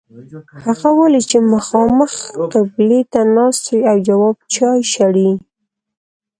هغه ولید چې مخامخ قبلې ته ناست دی او جواب چای شړي.